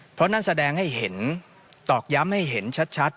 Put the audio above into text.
เพราะนั่นแสดงให้เห็นตอกย้ำให้เห็นชัด